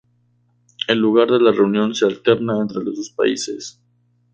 El lugar de la reunión se alterna entre los dos países.